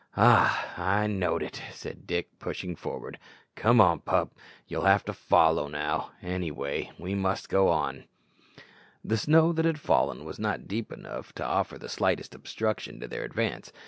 "Ah! I knowed it," said Dick, pushing forward. "Come on, pup; you'll have to follow now. Any way we must go on." The snow that had fallen was not deep enough to offer the slightest obstruction to their advance.